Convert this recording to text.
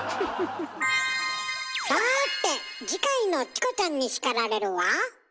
さて次回の「チコちゃんに叱られる」は？